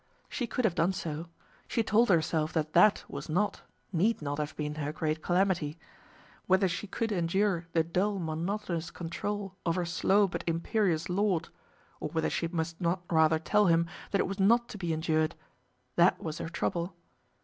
She could have done so. She told herself that that was not, need not have been her great calamity. Whether she could endure the dull, monotonous control of her slow but imperious lord, or whether she must not rather tell him that it was not to be endured, that was her trouble.